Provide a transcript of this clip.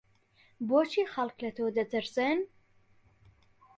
بۆچی خەڵک لە تۆ دەترسن؟